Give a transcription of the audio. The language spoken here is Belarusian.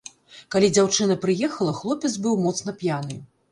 Калі дзяўчына прыехала, хлопец быў моцна п'яны.